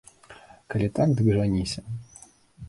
Калі так, дык жаніся.